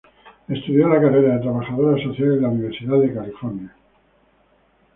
Estudió la carrera de trabajadora social en la Universidad de California.